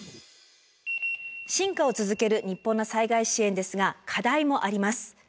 進化を続ける日本の災害支援ですが課題もあります。